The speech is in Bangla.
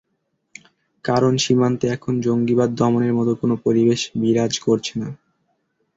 কারণ, সীমান্তে এখন জঙ্গিবাদ দমনের মতো কোনো পরিবেশ বিরাজ করছে না।